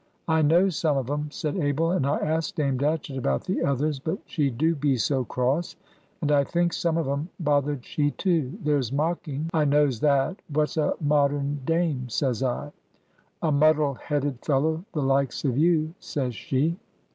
"I knows some of 'em," said Abel, "and I asked Dame Datchett about the others, but she do be so cross; and I thinks some of 'em bothered she too. There's mocking. I knows that. 'What's a modern, Dame?' says I. 'A muddle headed fellow the likes of you,' says she.